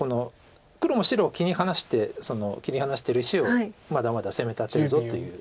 黒も白を切り離してる石をまだまだ攻め立てるぞという。